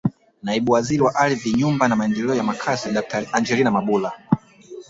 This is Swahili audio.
Naibu Waziri wa Ardhi Nyumba na Maendeleo ya Makazi Daktari Angeline Mabula